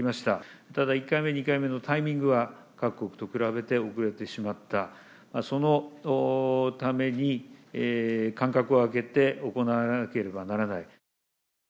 ただ１回目、２回目のタイミングは、各国と比べて遅れてしまった、そのために、間隔を空けて行われなければならない。